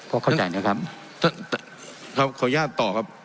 พ่อเข้าใจแล้วครับครับขออนุญาตต่อครับ